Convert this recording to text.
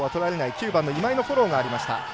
９番の今井のフォローがありました。